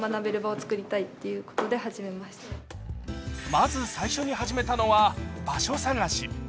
まず最初に始めたのは場所探し。